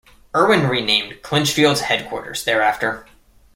Erwin remained Clinchfield's headquarters thereafter.